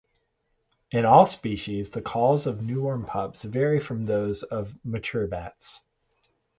In all species, the calls of newborn pups vary from those of mature bats.